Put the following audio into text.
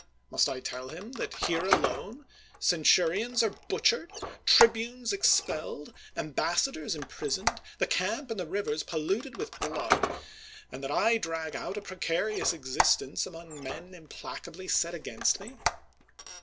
Must I tell him that here alone centurions are butchered — tribunes expelled — ambassadors imprisoned — the camp and the rivers polluted with blood — and that I drag out a precarious existence among men im placably set against me